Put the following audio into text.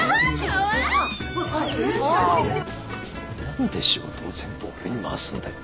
何で仕事を全部俺に回すんだよ。